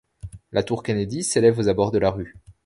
La tour Kennedy s'élève aux abords de la rue.